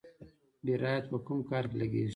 بیرایت په کوم کار کې لګیږي؟